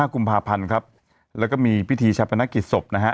กุมภาพันธ์ครับแล้วก็มีพิธีชาปนกิจศพนะฮะ